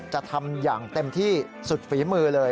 จะทำอย่างเต็มที่สุดฝีมือเลย